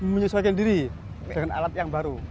menyesuaikan diri dengan alat yang baru